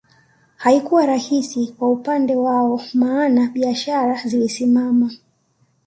Haikuwa rahisi kwa upande wao maana biashara zilisimama